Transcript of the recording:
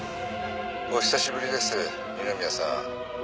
お久しぶりです二宮さん。